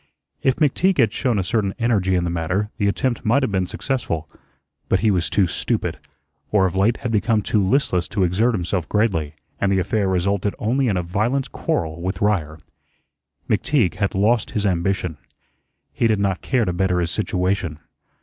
If McTeague had shown a certain energy in the matter the attempt might have been successful; but he was too stupid, or of late had become too listless to exert himself greatly, and the affair resulted only in a violent quarrel with Ryer. McTeague had lost his ambition. He did not care to better his situation.